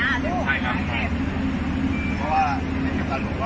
ก็นึกว่าคอคอหลังซ้ายอาจจะเจ็บอยู่ฮะ